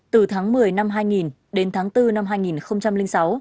từ tháng một mươi năm hai nghìn đến tháng bốn năm hai nghìn sáu